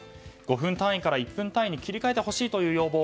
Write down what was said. ５分単位から１分単位に切り替えてほしいという要望。